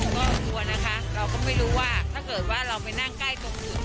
ก็กลัวนะคะเราก็ไม่รู้ว่าถ้าเกิดว่าเราไปนั่งใกล้ตรงอื่น